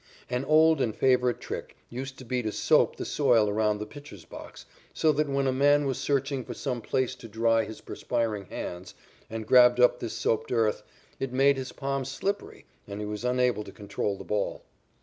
An old and favorite trick used to be to soap the soil around the pitcher's box, so that when a man was searching for some place to dry his perspiring hands and grabbed up this soaped earth, it made his palm slippery and he was unable to control the ball.